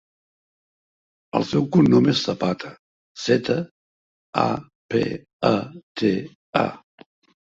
El seu cognom és Zapata: zeta, a, pe, a, te, a.